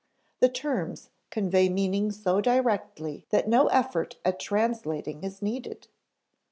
The terms convey meaning so directly that no effort at translating is needed.